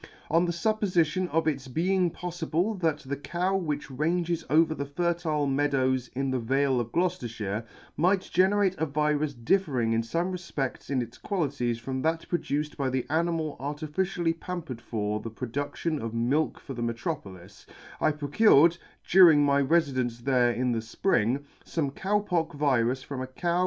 On the fuppofition of its being poflible that the cow which ranges over the fertile meadows in the vale of Gloucefter, might generate a virus differing in fome refpedls in its qualities from that produced by the animal artificially pampered for the production of milk for the metropolis, I procured, during my refidence there in the fpring, fome Cow pock virus from a cow.